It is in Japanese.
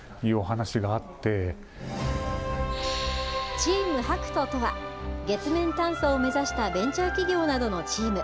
チームＨＡＫＵＴＯとは月面探査を目指したベンチャー企業などのチーム。